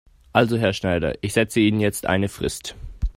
Also Herr Schneider, ich setze Ihnen jetzt eine Frist.